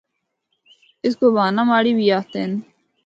اس کو بھانہ ماڑی بھی آخدے ہن۔